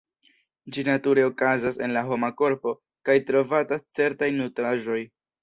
Ĝi nature okazas en la homa korpo kaj trovatas en certaj nutraĵoj.